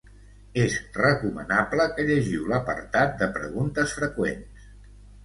És recomanable que llegiu l'apartat de preguntes freqüents.